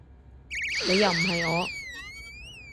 你又唔係我